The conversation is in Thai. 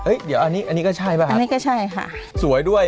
เอ้ยเดี๋ยวอันนี้ก็ใช่ไหมฮะอันนี้ก็ใช่ค่ะสวยด้วย